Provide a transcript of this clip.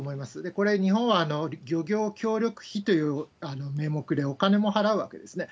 これ、日本は漁業協力費という名目でお金も払うわけですね。